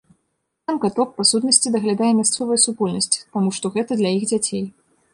Там каток, па сутнасці, даглядае мясцовая супольнасць, таму што гэта для іх дзяцей.